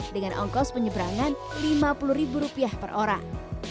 dengan ongkos penyeberangan lima puluh ribu rupiah per orang